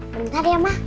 bentar ya mak